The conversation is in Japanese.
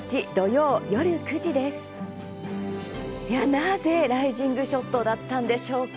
なぜライジングショットだったのでしょうか。